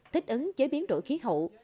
thích ứng chế biến đổi khí hậu